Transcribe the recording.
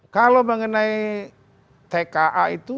kalau mengenai tka itu